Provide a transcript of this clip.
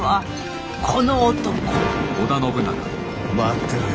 待ってろよ